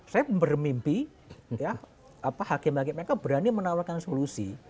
saya bermimpi hakim hakim mereka berani menawarkan solusi